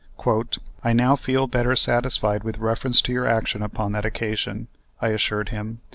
"I now feel better satisfied with reference to your action upon that occasion," I assured him.